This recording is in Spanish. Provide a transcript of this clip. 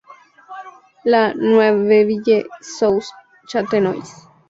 La Neuveville-sous-Châtenois